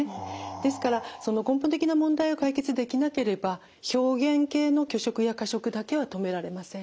ですから根本的な問題を解決できなければ表現型の拒食や過食だけは止められません。